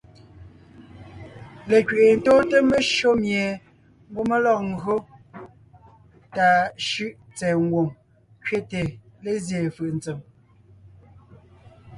Lekẅi’i tóonte meshÿó mie ńgwɔ́ mé lɔg ńgÿo tà shʉ́ʼ tsɛ̀ɛ ngwòŋ kẅete lézyéen fʉʼ ntsèm.